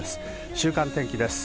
週間天気です。